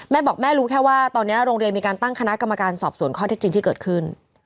แม่บอกแม่รู้แค่ว่าตอนนี้โรงเรียนมีการตั้งคณะกรรมการสอบสวนข้อที่จริงที่เกิดขึ้น